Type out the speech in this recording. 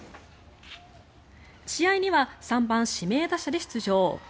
試合には３番指名打者で出場。